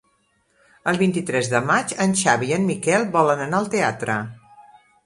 El vint-i-tres de maig en Xavi i en Miquel volen anar al teatre.